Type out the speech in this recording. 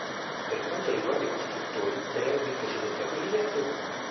Per quanto riguarda i costruttori Derbi precedette Aprilia e Honda.